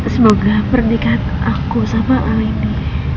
semoga pernikahan aku sama alendi